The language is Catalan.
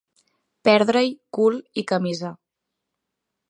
Perdre-hi cul i camisa.